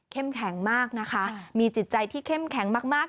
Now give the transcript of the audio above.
แข็งมากนะคะมีจิตใจที่เข้มแข็งมาก